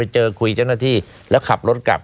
เจอคุยเจ้าหน้าที่แล้วขับรถกลับ